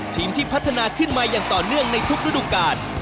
ทีมที่พัฒนาขึ้นมาอย่างต่อเนื่องในทุกฤดูกาล